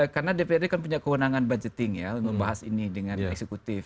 karena dprd kan punya kewenangan budgeting ya membahas ini dengan eksekutif